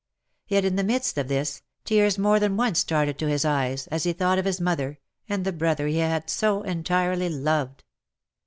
Yet in the midst of this, tears more than once started to his eyes, as he thought of his mother, and the brother he had so entirely loved.